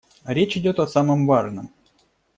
Речь идёт о самом важном.